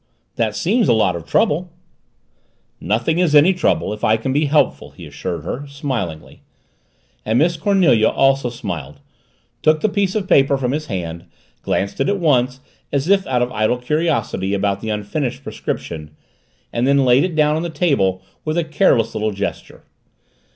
"That seems a lot of trouble." "Nothing is any trouble if I can be helpful," he assured her, smilingly. And Miss Cornelia also smiled, took the piece of paper from his hand, glanced at it once, as if out of idle curiosity about the unfinished prescription, and then laid it down on the table with a careless little gesture.